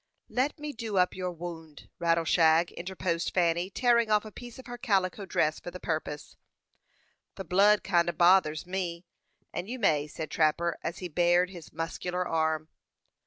"Let me do up your wound, Rattleshag," interposed Fanny, tearing off a piece of her calico dress for the purpose. "The blood kinder bothers me, and you may," said the trapper, as he bared his muscular arm.